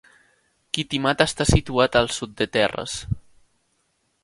Kitimat està situat al sud de Terrace.